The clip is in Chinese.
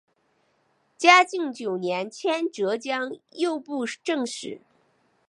嘉靖九年迁浙江右布政使。